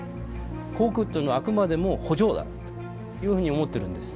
航空というのはあくまでも補助だというふうに思ってるんです。